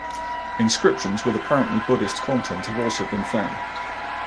Inscriptions with apparently Buddhist content have also been found.